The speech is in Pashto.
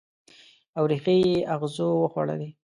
او ریښې یې اغزو وخوړلي